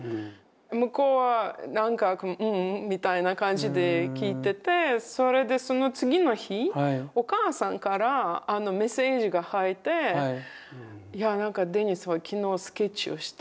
向こうはなんか「うん」みたいな感じで聞いててそれでその次の日お母さんからメッセージが入っていやなんかデニスは昨日スケッチをした。